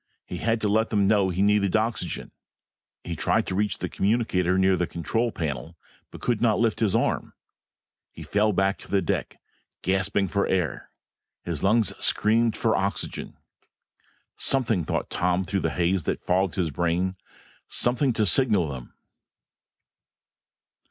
He had to let them know he needed oxygen. He tried to reach the communicator near the control panel but could not lift his arm. He fell back to the deck gasping for air; his lungs screaming for oxygen. Something, thought Tom through the haze that fogged his brain, something to signal them.